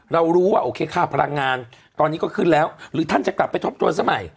เรารู้ว่าโอเคค่าพลังงานตอนนี้ก็ขึ้นแล้วหรือท่านจะกลับไปทบทวนสมัย